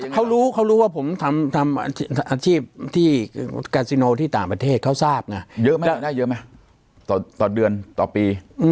เขารู้เขารู้ว่าผมทำอาชีพที่กาซิโนที่ต่างประเทศเขาทราบไงเยอะไหมได้เยอะไหมต่อเดือนต่อปี